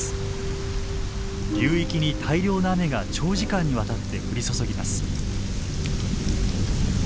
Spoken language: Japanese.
流域に大量の雨が長時間にわたって降り注ぎます。